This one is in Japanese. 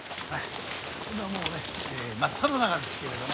今もうね真っただ中ですけれどね。